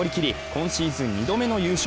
今シーズン２度目の優勝。